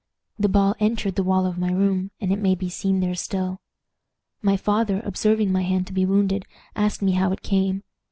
The ball entered the wall of my room, and it may be seen there still. "My father, observing my hand to be wounded, asked me how it came.